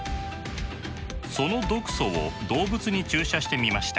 その毒素を動物に注射してみました。